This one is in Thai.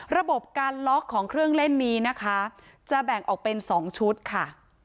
ระบบการล็อกของเครื่องเล่นนี้นะคะจะแบ่งออกเป็น๒ชุดค่ะ